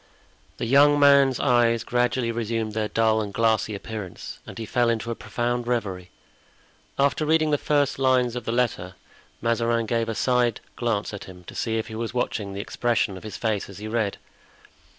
The young man's eyes gradually resumed their dull and glassy appearance and he fell into a profound reverie. After reading the first lines of the letter Mazarin gave a side glance at him to see if he was watching the expression of his face as he read.